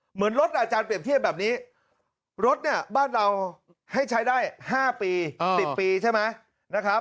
เหมือนรถอาจารย์เปรียบเทียบแบบนี้รถเนี่ยบ้านเราให้ใช้ได้๕ปี๑๐ปีใช่ไหมนะครับ